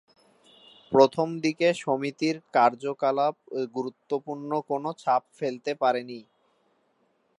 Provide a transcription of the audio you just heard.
প্রথম দিকে সমিতির কার্যকলাপ গুরুত্বপূর্ণ কোনো ছাপ ফেলতে পারেনি।